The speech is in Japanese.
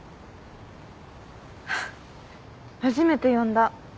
初めて呼んだ。